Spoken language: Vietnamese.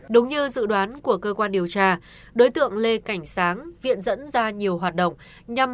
đúng như dự đoán của cơ quan điều tra đối tượng lê cảnh sáng viện dẫn ra nhiều hoạt động nhằm